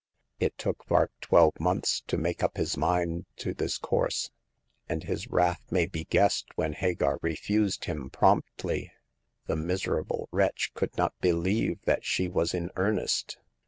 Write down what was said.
It took Vark twelve months to make up his mind to this course ; and his wrath may be guessed when Hagar refused him promptly. The miserable wretch could not believe that she was in earnest.